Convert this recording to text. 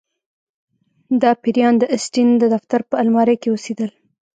دا پیریان د اسټین د دفتر په المارۍ کې اوسیدل